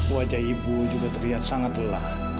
wajah ibu juga terlihat sangat lelah